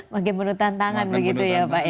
makin menurut tantangan begitu ya pak ya